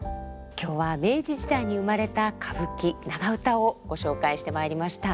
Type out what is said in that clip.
今日は明治時代に生まれた歌舞伎長唄をご紹介してまいりました。